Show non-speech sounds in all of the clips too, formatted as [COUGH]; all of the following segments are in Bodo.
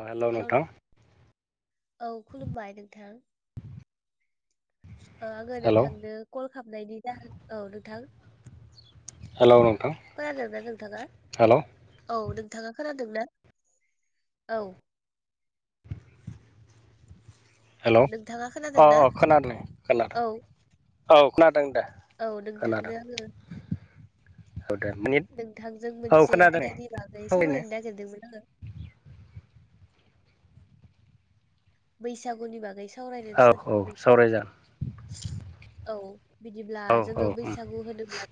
अ हेलौ हेल' नोंथां औ खुलुमबाय नोंथां औ आङो हेलौ नोंथांनो कल खालामनायनि जाहोन औ नोंथां हेलौ नोंथां खोनादोंना नोंथाङा हेलौ औ नोंथाङा खोनादोंना औ हेल' अ नोंथाङा अ खोनादोंना खोनादों खोनादों औ औ खोनादों दे औ खोनादों नोंथांनो आङो औ दा मानिट नोंथांजों मोनसे आयदानि बागै सावरायनो नागिरदोंमोन आङो बैसागुनि बागै सावरायनो औ औ सानदोंमोन नोंथां सावरायजागोन औ बिदिब्ला औ जोङो बैसागु होनोब्ला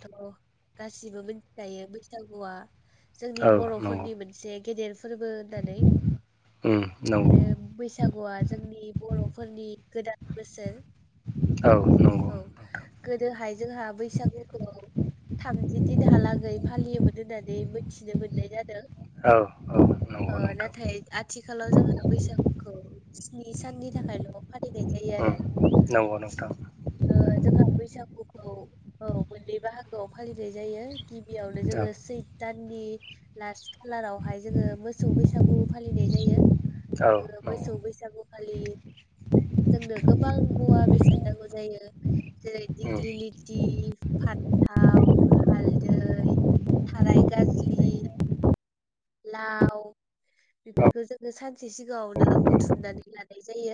गासिबो मिथिखायो बैसागुआ जोंनि उम औ बर'फोरनि मोनसे एसे गेदेर फोरबो होननानै उ नंगौ आरो बैसागुआ जोंनि बर'फोरनि गोदान बोसोर औ नंगौ औ नोंथां गोदोहाय जोंहा बैसागुखौ थामजि दिनहालागै फालियोमोन होननानै मोनथिनो मोननाय जादों औ औ ओ नंगौ नोंथां नाथाय आथिखालाव जोंहा बैसागुखौ स्नि साननि थाखायल' फालिनाय जायो आरो उम नंगौ नोंथां ओ जोंहा बैसागुखौ औ मोननै बाहागोआव फालिनाय जायो। गिबियावनो औ जोङो सैक दाननि लास खालारावहाय जोङो मोसौ बैसागु फालिनाय जायो, औ जोङो नंगौ मोसौ बैसागुखालि जोंनो गोबां मुवा बेसाद नांगौ जायो। जेरै उम दिग्लि लिथि, फान्थाव, हालदै, थाराय गाज्लि लाव, बिफोरखौ जोङो सानसे सिगाङावनो बुथुमनानै लानाय जायो।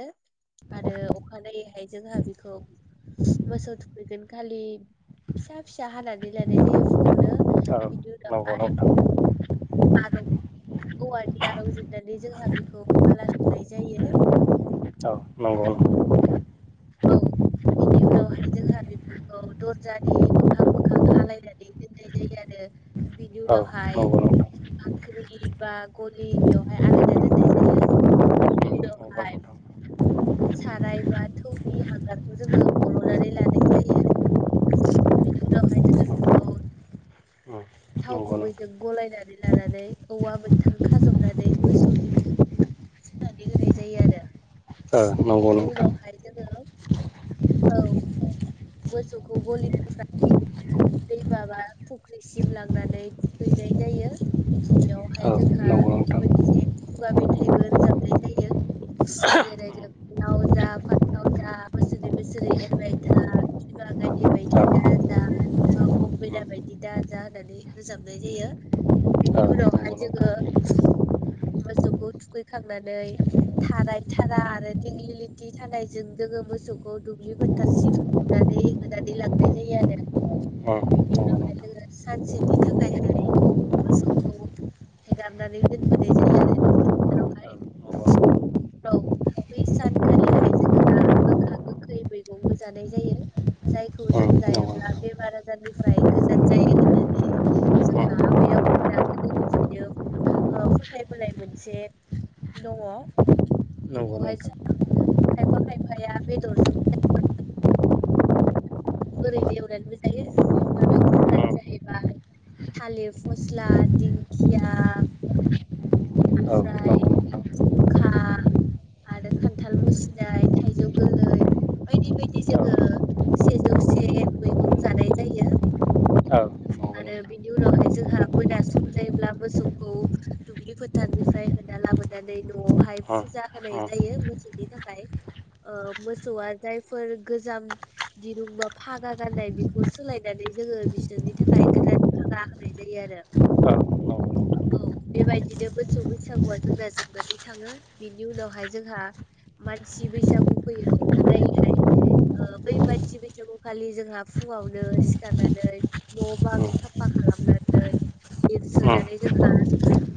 आरो अखानायैहाय जोंहा बिखौ मोसौ थुखैगोन खालि फिसा फिसा हानानै लानाय जायो फुङावनो बिनि औ नंगौ नोंथां औ औवानि आराव जिरनानै जोंहा बेखौ माला सुनाय जायो औ नंगौ नंगौ औ बिनि उनावहाय जोंहा बेफोरखौ दरजानि मोखां मोखां आलायनानै दोननाय जायो आरो। बिनि औ उनावहाय नंगौ नोंथां बाख्रि बा गलि बेवहाय आलायना दोननाय जायो बिनि नंगौ उनावहाय नोंथां साराय बा थौनि हांगारखौ जोङो हल'नानै लानाय जायो। बिनि उनावहाय जोङो बिखौ अ थाव गुबैजों गलायनानै लानानै औवा मोकथां खाजनानै मोसौनि [INAUDIBLE] फुननानै होनाय जायो आरो। नोंथां औ नंगौ बिनि नोंथां उनावहाय जोङो औ मोसौखौ गलिनिफ्राय दैमा बा फुख्रिसिम लांनानै थुखैनाय जायो बेयावहाय औ जोंहा नंगौ नोंथां मोनसे खुगा मेथाइबो रोजाबनाय जायो, जेरै औ जों लाव जा फान्थाव जा बोसोरै बोसोरै एरबाय था बिमा गायदे औ बायदि दाजा बिमा गं मेना बायदि दाजा होननानै रोजाबनाय जायो बिनि नंगौ उनावहाय नोंथां जोङो मोसौखौ थुखैखांनानै थाराय थारा आरो दिग्लि लिति थानायजों जोङो मोसौखौ दुब्लि फोथारसिम बुनानै होनानै लांनाय जायो आरो नंगौ बिनि नोंथां औ उनावहाय जोङो सानसेनि थाखायहाय मोसौखौ हेगारनानै दोनबोनाय जायो आरो दुब्लि नंगौ फोथारावहाय। औ बै सानखालिहाय जोंहा गोखा गोखै मैगंबो जानाय जायो। जायखौ जों नंगौ जायोब्ला नोंथां बेमार आजारनिफ्राय गोजान जायो होननानै औ जोंहा आबै आबौमोनहा गोदोनिफ्रायनो ओ फोथायबोनाय मोनसे दङ'। नंगौ नोंथां औ नंगौ नोंथां औ नंगौ बेखौहाय नोंथां [UNINTELLIGIBLE] खायफा खायफाया बेदरजों ओरैनो एवनानैबो जायो। बेफोर मैगंफोरानो जाहैबाय थालिर फस्ला, दिंखिया, नंगौ नोंथां औ नंगौ नोंथां औ बिनिफ्राय नंगौ नोंथां औ नंगौ औ नंगौ खुंखा, आरो खान्थाल मुसिनाय, थायजौ गोरलै, बायदि नंगौ बायदि जोङो सेजौ से मैगं जानाय जायो। औ अ आरो बिनि उनावहाय जोंहा मोना सम जायोब्ला मोसौखौ दुब्लि फोथारनिफ्राय होना लाबोनानै न'आवहाय फुजा होनाय जायो मोसौनि थाखाय। ओ मोसौआ जायफोर गोजाम दिरुं बा फागा गाननाय बेखौ सोलायनानै जोङो बिसोरनि थाखाय गोदान फागा होनाय जायो आरो। नंगौ नंगौ नंगौ औ। बेबायदिनो मोसौ बैसागुआ जोंना जोबनानै थाङो। बिनि उनावहाय जोंहा मानसि बैसागु फैयो अखानायैहाय। ओ बै मानसि बैसागुखालि जोंहा फुङावनो सिखारनानै न' बां साफा खालामनानै लिरसोनानै जोंहा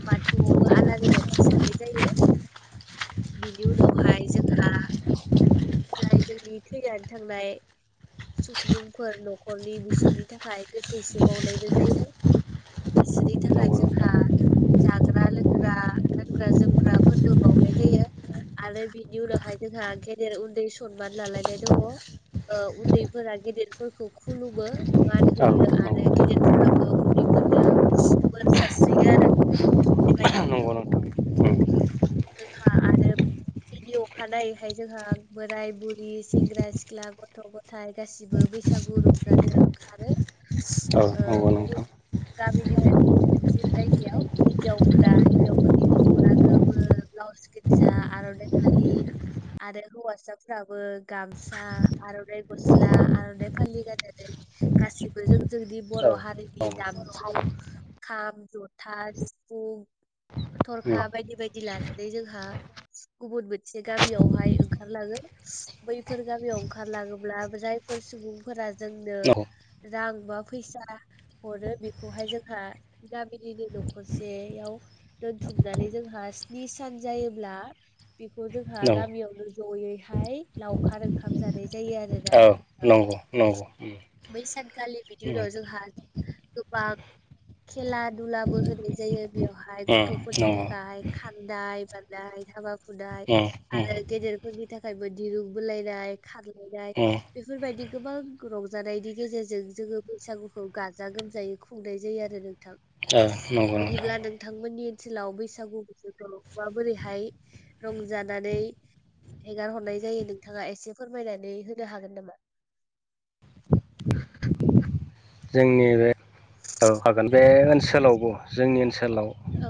बाथौआवबो आलारि बाथि सावनाय जायो। बिनि उनावहाय जोंहा जाय जोंनि थैनानै थांनाय सुबुंफोर न'खरनि बिसोरनि थाखाय गोथैसो बावनायबो जायो। बिसोरनि थाखाय जोंहा जाग्रा लोंग्रा गानग्रा जोमग्राफोरबो बावनाय जायो। आरो बिनि उनावहाय जोंहा गेदेर उन्दै सनमान लालायनाय दङ'। ओ उन्दैफोरा गेदेरफोरखौ खुलुमो मान होयो आरो गेदेरफोराबो उन्दै फोरनो बोर सारस्रियो आरो बेबायदिनो जोंहा आरो बिनि अखानायैखाय जोंहा बोराय बुरि सेंग्रा सिख्ला गथ' ग थाय गासिबो बैसागु रंजानो ओंखारो। औ ओ नंगौ गुबुन नोंथां। गामिनिफ्राय गुबुन मोनसे जायगायाव हिनजावफोरा हिनजावफोरनि दख'ना गो मो ब्लाउस गोजजा आर'नाइ फालि आरो हौवासाफोराबो गामसा आर'नाइ गस्ला आर'नाइ फालि गाननानै गासिबो जों जोंनि बर' हारिनि दामजु खाम, जथा, सिफुं, थरखा बायदि बाय दि लानानै जोंहा गुबुन मोनसे गामियावहाय ओंखारलाङो। बैफोर गामियाव ओंखारलाङोब्ला जाय फोर सुबुंफोरा जोंनो रां बा फैसा हरो बेखौहाय जोंहा गामिनिनो न'खरसेयाव दोनथुमनानै जोंहास नि सान जायोब्ला बेखौ जोंहा गामियावनो ज'यैहाय लाव खार ओंखाम जानाय जायो आरो ना नोंथां। बै सानखालि बेनि उनाव जोंहा गोबां खेला दुलाबो होनाय जायो बेवहाय गथ'फोरनि थाखाय। खान्दाय बारनाय हाबा हुदाय आरो गेदेर फोरनि थाखायबो दिरुं बलायनाय खारलायनाय बेफोरबायदि गोबां रंजानायनि गेजेरजों जोङो बैसागुखौ गाजा गोमजायै खुंनाय जायो आरो नोंथां बिदिब्ला नोंथां नोंथांमोननि ओनसोलाव बैसागु [UNINTELLIGIBLE] माबोरैहाय रंजानानै हेगार हरनाय जायो नोंथाङा एसे फोरमायनानै होनो हागोन नामा जोंनि बे [UNINTELLIGIBLE] बे ओनसोलावबो जोंनि ओनसोलाव औ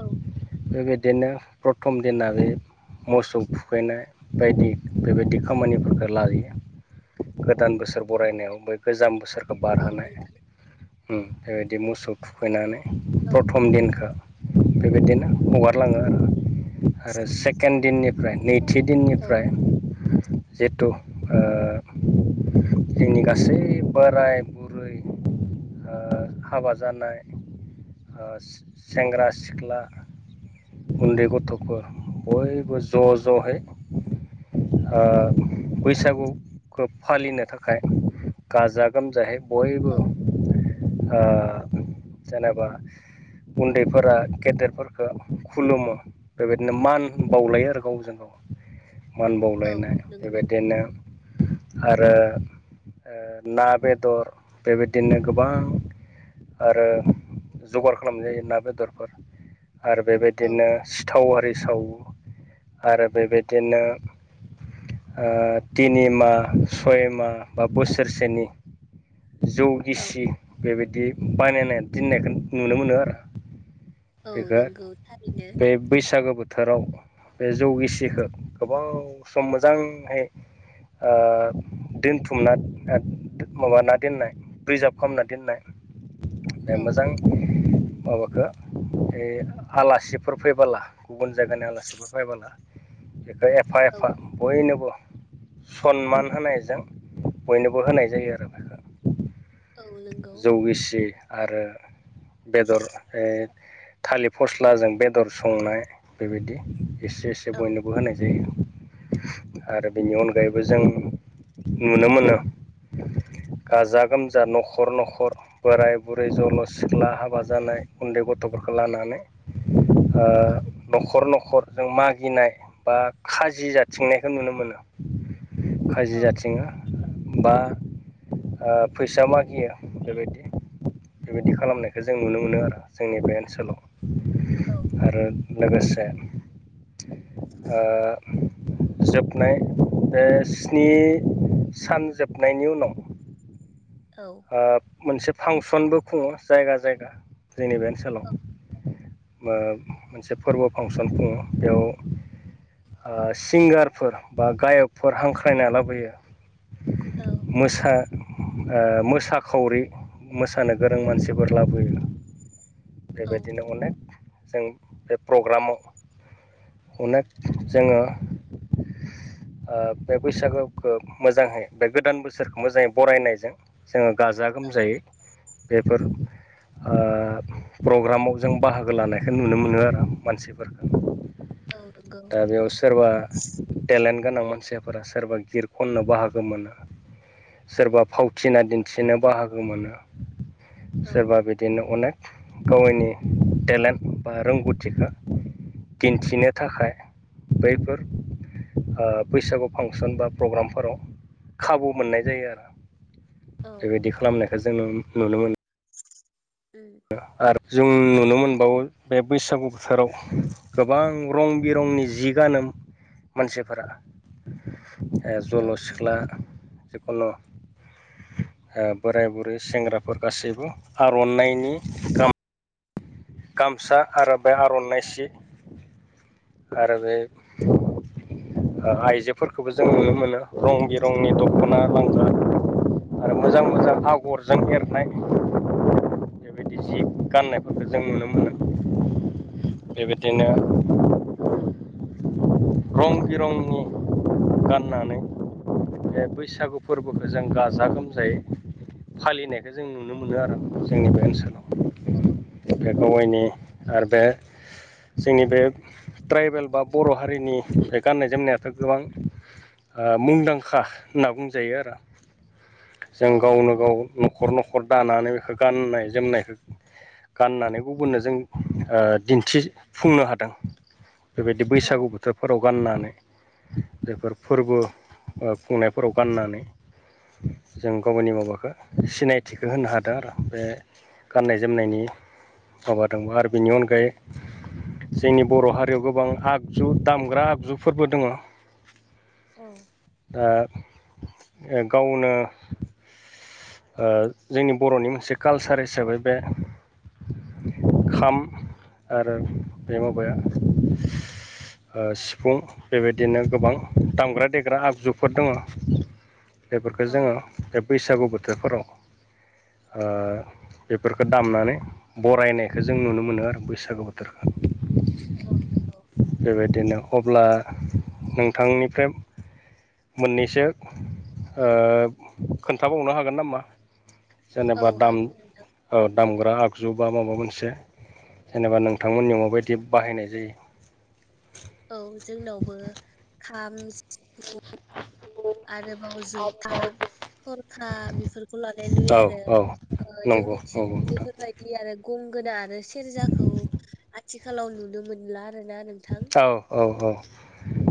बेबायदिनो प्रथम दिना बे मोसौ थुखैनाय बायदि बेबायदि खामानिफोरखो लायो। गोदान बोसोर बरायनायाव बै गोजाम बोसोरखौ औ बारहोनाय नोंथां होम बेबायदि मोसौ थुखैनानै औ प्रथम दिनखो बेबायदिनो हगारलाङो आरो आरो सेकेण्ड दिननि फ्राय नैथि औ दिननिफ्राय जेतु ओ जोंनि गासै बोराय बुरै ओ हाबा जानाय ओस सेंग्रा सिख्ला उन्दै गथ'फोर बयबो ज' ज' हाय हा बैसागुखौ फालिनो थाखाय गाजा गोमजाहे बयबो औ हा जेनेबा उन्दैफोरा गेदेरफोरखो खुलुमो बेबायदिनो मान बावलायो आरो गावजों गाव मान औ बावलायनाय नंगौ बेबायदिनो आरो ओ ना बेदर बेबायदिनो गोबां आरो जगार खालाम जायो ना बेदरफोर आरो औ बेबायदिनो सिथाव आरि सावो आरो बेबायदिनो ओ तिनि मा सय माह बा बोसोरसेनि जौ औ गिसि बेबिदि बानायनाय दिननायखौ नुनो मोनो आरो औ नंगौ बेखोद थारैनो बे बैसागो बोथ थोराव बे जौ गिसिखौ गोबाव सम मोजांहाय ओ दोनथुमना [UNINTELLIGIBLE] माबाना दोननाय प्रिजार्भ खामना दोननाय बे औ मोजां माबाखो ए आलासिफोर फैबोला गुबुन जायगानि आलासिबो फायबोला बेखौ एफा औ एफा बयनोबो सनमान होनायजों बयनोबो होनाय जायो आरो ना औ नंगौ जौ गिसि आरो बेदर ए थालिर फस्लाजों बेदर संनाय बेबायदि इसे इस जे औ बयनोबो होनाय जायो आरो बिनि अनगायैबो जों नुनो मोनो औ गाजा गोमजा न'खर न'खर बोराय बुरै जल' सिख्ला हाबा जानाय उन्दै गथ'फोरखौ लानानै ओ औ न'खर न'खर जों मागिनाय बा खाजि जाथिंनायखो नुनो मोनो औ खाजि जाथिङो बा आ फैसा मागियो बेबायदि बेबायदि खालामनायखौ जों नुनो मोनो आरो जोंनि बे ओनसोलाव औ आरो लोगोसे आ जोबनाय बे स्नि सान जोबनायनि उनाव औ ओ मोनसे फांसनबो खुङो जायगा जायगा जोंनि बे ओनसोलाव ओ मोनसे फोरबो फांसन खुंङो बेयाव ओ सिंगारफोर बा गायकफोर हांख्रायना लाबोयो औ मोसा ओ मो साखावरि मोसानो गोरों मानसिफोर लाबोयो। औ बेबायदिनो अनेक जों बे प्रग्रामाव अनेक जोंङो ओ बे बैसागोखौ मोजाङै बे गोदान बोसोरखौ मोजाङै बरायनायजों जोङो गाजा गोमजायै बेफोर आ प्रग्रामाव जों बाहागो लानायखो नुनो मोनो आरो मानसिफोरखो औ नंगौ दा बेयाव सोरबा टेलेन्ट गोनां मानसिफोरा सोरबा गिर खननो बाहागो मोनो सोरबा फाव थिना दिन्थिनो बाहागो मोनो औ सोरबा बिद दिनो अनेक गावनि टेलेन्ट बा रोंग'थिखो दिन्थिनो थाखाय बैफोर ओ बैसागु फांसन बा प्रग्रामफोराव खाबु मोननाय जायो आरो औ बेबायदि खालामनायखो जों नुनो मोनो [INAUDIBLE] आरो जों नुनो मोनबावो बे बैसागु बोथोराव गोबां रं बिरंनि जि गानोम मानसिफोरा ओ औ जल' सिख्ला नंगौ जिखुनु ओ बोराय-बुरै सेंग्राफोर गासैबो आर'नाइनि [UNINTELLIGIBLE] गामसा आरो बे आर'नाइ सि आरो बे आइजोफोरखौबो जों नुनो मोनो रं बिरंनि दख'ना लांगा आरो मोजां मोजां आगरजों एरनाय बेबायदि जि गाननायफोरखौ जों जों नुनो मोनो बेबायदिनो औ रं बिरंनि गाननानै बे बैसागु फोरबोखौ जों गाजा गोमजायै फालिनायखौ जों नुनो मोनो आरो जोंनि बे ओनसोलाव बे नंगौ गावयायनि आरो बे जोंनि बे ट्राइबेल बा बर' हारिनि ओमफ्राय गाननाय जोमनायाथ' गोबां ओ मुंदांखा होनना बुंजायो आरो जों औ गावनो नंगौ गाव न'खर न'खर दानानै बेखौ गाननाय जोमनायखौ गाननानै गुबुननो जों ओ दिन्थिफुंनो हादों बेबायदि औ बैसागु बोथोरफोराव गाननानै बेफोर फोरबो ओ खुंनायफोराव गाननानै जों गावनि माबाखौ सिनायथिखौ होनो हादों आरो बे गाननाय जोमनायनि माबादोंमोन आरो बेनि अनगायै जोंनि बर' हारियाव गोबां आगजु दामग्रा आगजुफोरबो दङ'। औ ओ गावनो ओ जोंनि बर'नि मोनसे कालचार हिसाबै बे खाम आरो बे माबाया ओ सिफुं बेबायदिनो गोबां दामग्रा देग्रा आगजुफोर दङ'। बेफोरखौ औ जोङो बे बैसागु बोथोरफोराव ओ बेफोरखौ दामनानै बरायनायखो जों नुनो मोनो आरो बैसागु बोथोरखो औ नंगौ बेबायदिनो अब्ला नोंथांनिफ्राय मोननैसो ओ खोन्थाबावनो हागोन नामा? औ जेनेबा दाम हागोन नोंथां औ दामग्रा आगजु बा माबा मोनसे जेनेबा नोंथांमोननियाव माबायदि बाहायनाय जायो। [INAUDIBLE] औ जोंनावबो खाम आरोबाव जथा खरखा बेफोरखौ लानाय नुयो औ आरो औ ओ नंगौ जोंनिथिं नंगौ बेफोरबायदि बिदि आरो गंगोना आरो सेरजाखौ आथिखालाव नुनो मोनला आरोना नों औ औ औ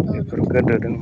औ नों बेफोर गोदो दं।